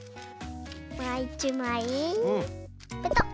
もう１まいペトッ。